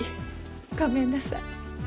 ごめんなさい。